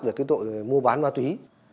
và cứ tội mua bán ma túy